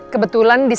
temen suami tadi